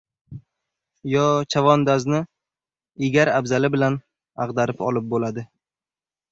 Yo, chavandozni egar-abzali bilan ag‘darib olib bo‘ladi